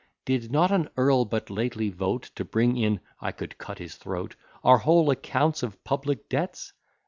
Did not an earl but lately vote, To bring in (I could cut his throat) Our whole accounts of public debts?